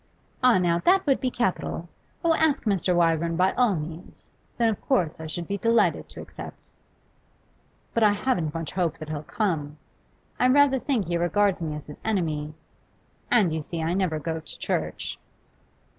'Ah, now, that would be capital! Oh, ask Mr. Wyvern by all means. Then, of course, I should be delighted to accept.' 'But I haven't much hope that he'll come. I rather think he regards me as his enemy. And, you see, I never go to church.